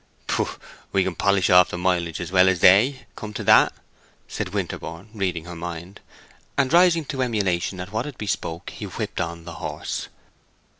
"Pooh! We can polish off the mileage as well as they, come to that," said Winterborne, reading her mind; and rising to emulation at what it bespoke, he whipped on the horse.